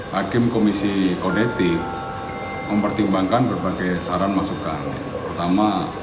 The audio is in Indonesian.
hakim komisi kode tim mempertimbangkan berbagai saran masukan pertama